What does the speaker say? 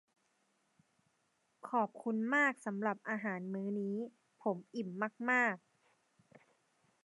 ขอบคุณมากสำหรับอาหารมื้อนี้ ผมอิ่มมาก ๆ